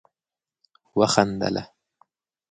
وخندله